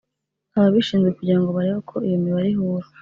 ababishinzwe kugira ngo barebe ko iyo mibare ihura